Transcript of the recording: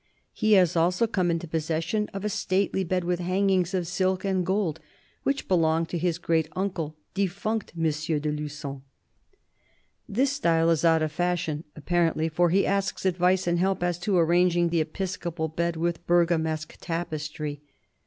He has also come into possession of a stately bed with hang ings of silk and gold, which belonged to his great uncle, " deffunct M. de Lugon." This style is out of fashion , apparently, for he asks advice and help as to arranging the episcopal bed with Bergamesque tapestry.